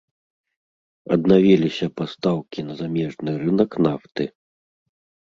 Аднавіліся пастаўкі на замежны рынак нафты.